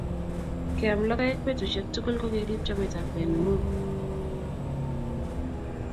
Keam logoek petusiek tugul ko kerip chametapkei nengung